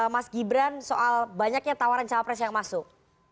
mas gibran soal banyaknya tawaran cawapres yang masuk